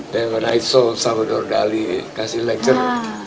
saya pernah lihat salvador dali kasih lecture